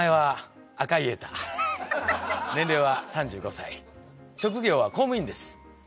年齢は３５歳職業は公務員です